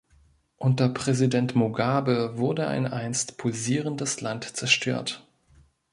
Unter Präsident Mugabe wurde ein einst pulsierendes Land zerstört.